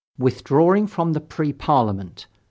WITHDRAWING FROM THE PRE PARLIAMENT.